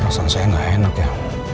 perasaan saya nggak enak ya